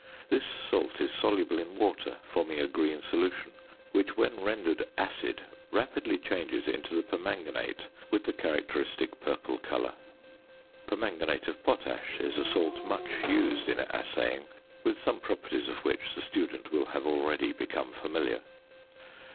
This salt is soluble in water, forming a green solution; which, when rendered acid, rapidly changes into the permanganate with the characteristic purple colour. Permanganate of potash is a salt much used in assaying, with some properties of which the student will have already become familiar.